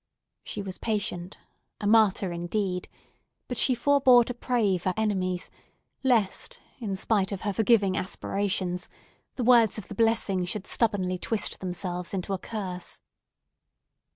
She was patient—a martyr, indeed—but she forebore to pray for enemies, lest, in spite of her forgiving aspirations, the words of the blessing should stubbornly twist themselves into a curse.